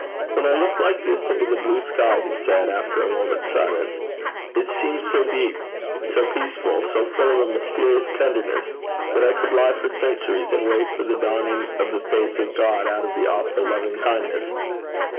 'When I look like this into the blue sky,' he said, after a moment's silence, 'it seems so deep, so peaceful, so full of a mysterious tenderness, that I could lie for centuries, and wait for the dawning of the face of God out of the awful loving kindness.'